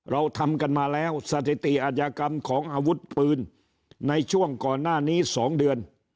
เราทำกันมาแล้วสถิติอาชญากรรมของอาวุธปืนในช่วงก่อนหน้านี้๒เดือน